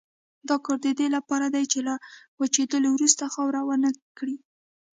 دا کار د دې لپاره دی چې له وچېدلو وروسته خاوره ونه کړي.